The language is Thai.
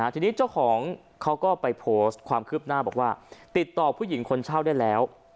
ทีนี้เจ้าของเขาก็ไปโพสต์ความคืบหน้าบอกว่าติดต่อผู้หญิงคนเช่าได้แล้ว